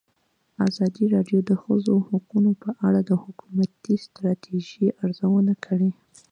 ازادي راډیو د د ښځو حقونه په اړه د حکومتي ستراتیژۍ ارزونه کړې.